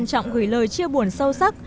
trọng gửi lời chia buồn sâu sắc